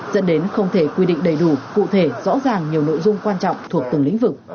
dẫn đến không thể quy định đầy đủ cụ thể rõ ràng nhiều nội dung quan trọng thuộc từng lĩnh vực